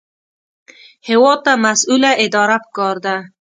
هېواد ته مسؤله اداره پکار ده